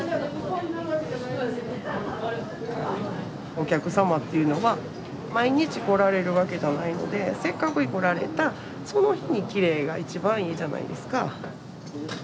お客様っていうのは毎日来られるわけじゃないのでせっかく来られたその日にきれいが一番いいじゃないですか。